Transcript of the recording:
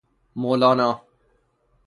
مولانا